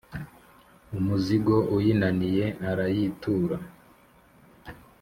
umuzigo uyinaniye, arayitura,